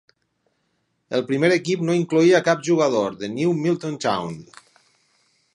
El primer equip no incloïa cap jugador de New Milton Town.